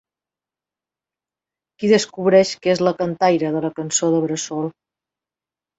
Qui descobreix que és la cantaire de la cançó de bressol?